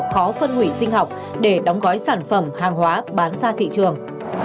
khó phân hủy sinh học để đóng gói sản phẩm hàng hóa bán ra thị trường